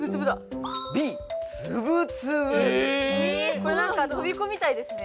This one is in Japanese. これなんかとびっこみたいですね。